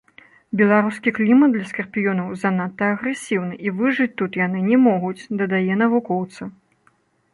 Беларускі клімат для скарпіёнаў занадта агрэсіўны, і выжыць тут яны не могуць, дадае навукоўца.